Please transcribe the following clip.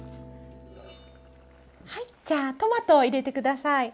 はいじゃあトマトを入れて下さい。